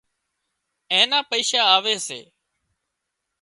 اين نا پئيشا آوي سي